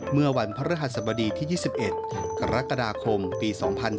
เมื่อวันพระรหัสบดีที่๒๑กรกฎาคมปี๒๕๕๙